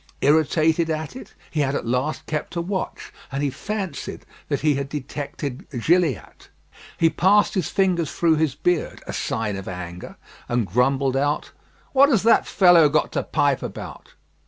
Irritated at it, he had at last kept a watch, and he fancied that he had detected Gilliatt. He passed his fingers through his beard a sign of anger and grumbled out, "What has that fellow got to pipe about?